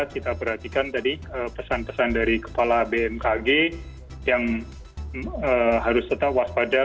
kita perhatikan tadi pesan pesan dari kepala bmkg yang harus tetap waspada